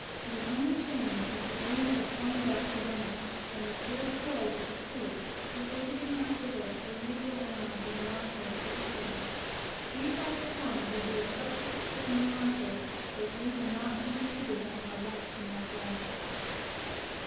The only change was that we had a "plum duff" for dinner, and the crew quarrelled with the steward because he did not give us our usual allowance of molasses to eat with it. He thought the plums would be a substitute for the molasses, but we were not to be cheated out of our rights in this way.